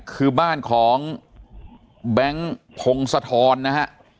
คือบ้านของแบงค์พงศธรนะฮะ